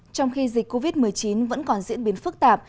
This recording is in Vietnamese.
trong khi dịch covid một mươi chín vẫn còn diễn biến phức tạp